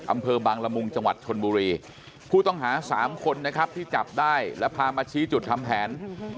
อำเภอบางละมุงจังหวัดชนบุรีผู้ต้องหาสามคนนะครับที่จับได้แล้วพามาชี้จุดทำแผน